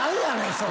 それ。